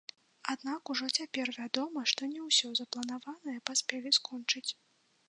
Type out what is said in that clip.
Аднак ужо цяпер вядома, што не ўсё запланаванае паспелі скончыць.